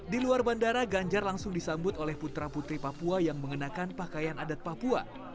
di luar bandara ganjar langsung disambut oleh putra putri papua yang mengenakan pakaian adat papua